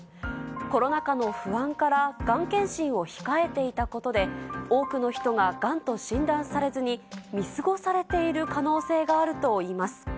コロナ禍の不安から、がん検診を控えていたことで、多くの人ががんと診断されずに、見過ごされている可能性があるといいます。